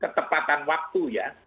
ketepatan waktu ya